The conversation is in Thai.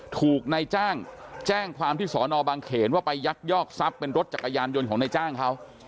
ถูกนายจ้างแจ้งความที่สอนอบางเขนว่าไปยักยอกทรัพย์เป็นรถจักรยานยนต์ของนายจ้างเขา